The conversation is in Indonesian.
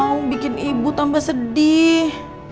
saya gak mau bikin ibu tambah sedih